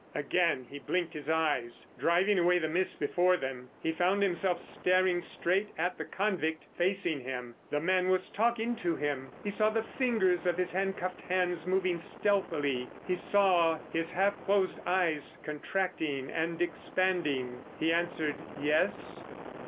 Again he blinked his eyes, driving away the mist before them. He found himself staring straight at the convict facing him. The man was talking to him. He saw the fingers of his handcuffed hands moving stealthily. He saw his half closed eyes contracting and expanding. He answered: "Yes?"